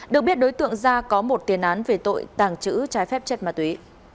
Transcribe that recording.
được biết đối tượng gia có một tiền án về tội tàng trữ trái phép chất ma túy